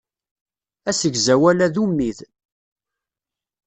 Asegzawal-a d ummid.